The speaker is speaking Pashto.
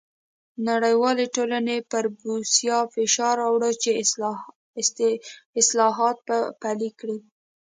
نړیوالې ټولنې پر بوسیا فشار راووړ چې اصلاحات پلي کړي.